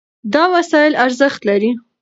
دا وسایل ارزښت لري.